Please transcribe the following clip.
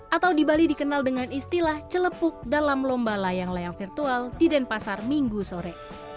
atau di bali dikenal dengan istilah celepuk dalam lomba layang layang virtual di denpasar minggu sore